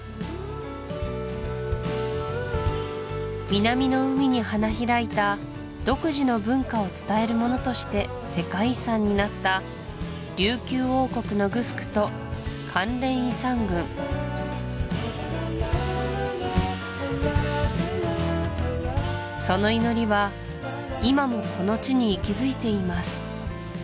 南の海に花開いた独自の文化を伝えるものとして世界遺産になった琉球王国のグスクと関連遺産群その祈りは今もこの地に息づいています